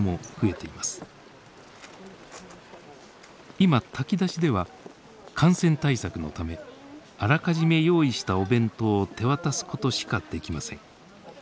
今炊き出しでは感染対策のためあらかじめ用意したお弁当を手渡すことしかできません。